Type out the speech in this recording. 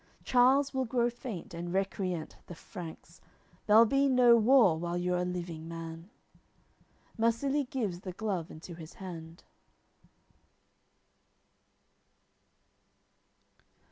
Charles will grow faint, and recreant the Franks; There'll be no war while you're a living man." Marsilie gives the glove into his hand.